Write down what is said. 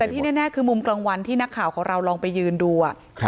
แต่ที่แน่คือมุมกลางวันที่นักข่าวของเราลองไปยืนดู